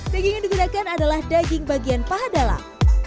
daging yang digunakan adalah daging bagian paha dalam